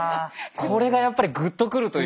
これがやっぱりグッと来るというか。